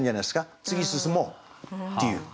次進もうっていう。